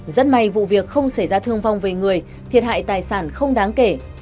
rất may vụ việc không xảy ra thương vong về người thiệt hại tài sản không đáng kể